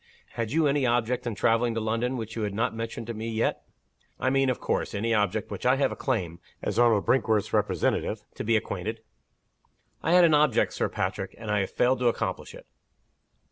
Had you any object in traveling to London, which you have not mentioned to me yet? I mean, of course, any object with which I have a claim (as Arnold Brinkworth's representative) to be acquainted?" "I had an object, Sir Patrick. And I have failed to accomplish it."